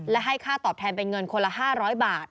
และให้ค่าตอบแทนเป็นเงินคนละ๕๐๐บาท